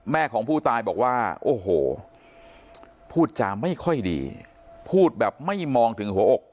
ของผู้ตายบอกว่าโอ้โหพูดจาไม่ค่อยดีพูดแบบไม่มองถึงหัวอก